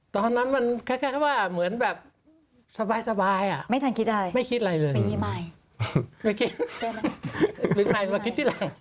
ตอนนั้นมันแค่ว่าเหมือนแบบสบายไม่ทันคิดอะไรไม่คิดอะไรเลยไม่คิด